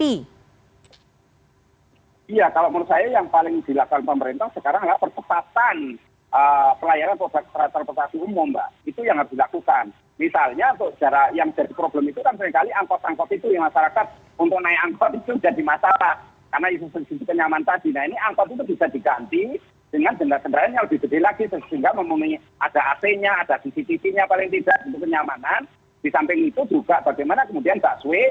iya kalau menurut saya yang paling dilakukan pemerintah sekarang adalah persepatan pelayanan terhadap perpustakaan umum mbak